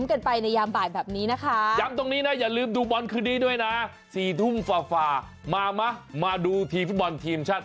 เอ้าแต่เพื่อนมายังไง